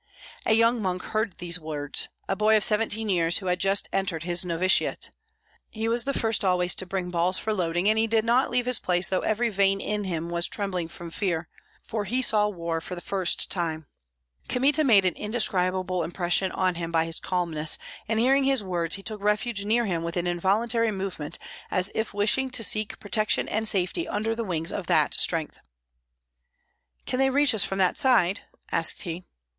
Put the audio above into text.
A young monk heard these words, a boy of seventeen years, who had just entered his novitiate. He was the first always to bring balls for loading, and he did not leave his place though every vein in him was trembling from fear, for he saw war for the first time. Kmita made an indescribable impression on him by his calmness, and hearing his words he took refuge near him with an involuntary movement as if wishing to seek protection and safety under the wings of that strength. "Can they reach us from that side?" asked he.